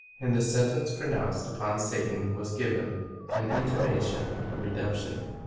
In the sentence pronounced upon Satan was given an intimation of redemption.